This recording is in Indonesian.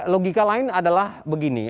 logika lain adalah begini